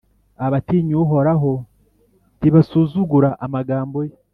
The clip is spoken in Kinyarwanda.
Abatinya Uhoraho ntibasuzugura amagambo ye,